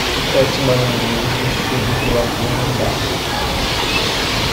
Sete marinheiros vestidos de azul num barco.